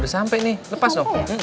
udah sampai nih lepas dong